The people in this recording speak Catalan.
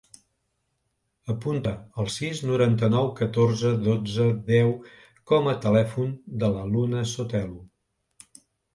Apunta el sis, noranta-nou, catorze, dotze, deu com a telèfon de la Luna Sotelo.